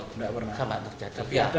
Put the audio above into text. ya kalau dari murid